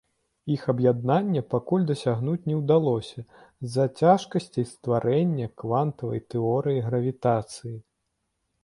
Іх аб'яднання пакуль дасягнуць не ўдалося з-за цяжкасцей стварэння квантавай тэорыі гравітацыі.